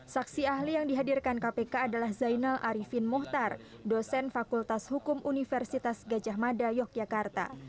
saksi ahli yang dihadirkan kpk adalah zainal arifin mohtar dosen fakultas hukum universitas gajah mada yogyakarta